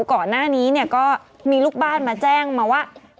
ก่อนหน้านี้เนี่ยก็มีลูกบ้านมาแจ้งมาว่า